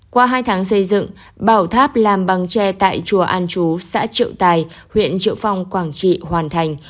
qua hai tháng xây dựng bảo tháp làm bằng tre tại chùa an chú xã triệu tài huyện triệu phong quảng trị hoàn thành